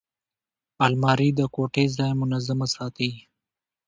الماري د کوټې ځای منظمه ساتي